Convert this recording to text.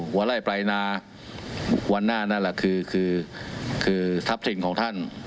หัวไล่ปลายนาวันหน้านั่นแหละคือคือทรัพย์สินของท่าน